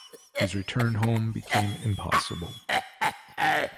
His return home became impossible.